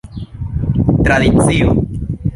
Tradicio.